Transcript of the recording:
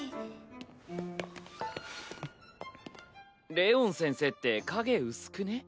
レオン先生って影薄くね？